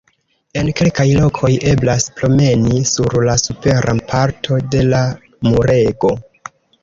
En kelkaj lokoj eblas promeni sur la supera parto de la murego.